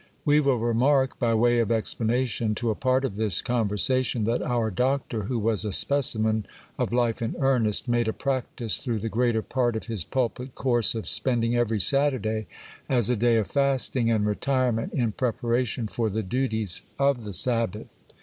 We will remark, by way of explanation to a part of this conversation, that our doctor, who was a specimen of life in earnest, made a practice through the greater part of his pulpit course of spending every Saturday as a day of fasting and retirement in preparation for the duties of the Sabbath.